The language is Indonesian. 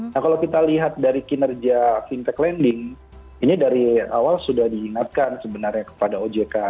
nah kalau kita lihat dari kinerja fintech lending ini dari awal sudah diingatkan sebenarnya kepada ojk